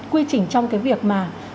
quy trình trong cái việc mà